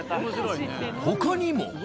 他にも。